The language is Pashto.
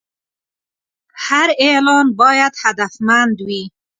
هر اعلان باید هدفمند وي.